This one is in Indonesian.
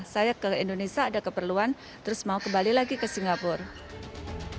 saya ke indonesia ada keperluan terus mau kembali lagi ke singapura